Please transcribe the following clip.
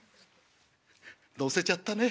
「乗せちゃったね。